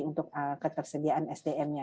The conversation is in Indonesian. untuk ketersediaan sdm nya